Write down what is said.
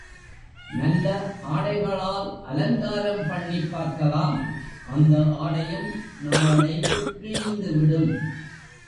நல்ல ஆடைகளால் அலங்காரம் பண்ணிப் பார்க்கலாம் அந்த ஆடையும் நாளடைவில் கிழிந்து விடும்.